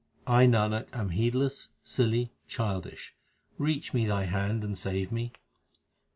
I, Nanak, am heedless, silly, childish ; reach me Thy hand and save me.